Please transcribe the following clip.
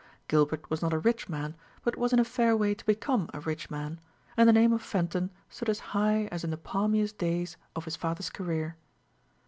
Gilbert was not a rich man, but was in a fair way to become a rich man; and the name of Fenton stood as high as in the palmiest days of his father's career.